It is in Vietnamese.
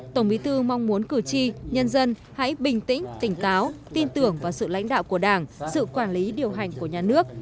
tổng bí thư mong muốn cử tri nhân dân hãy bình tĩnh tỉnh táo tin tưởng vào sự lãnh đạo của đảng sự quản lý điều hành của nhà nước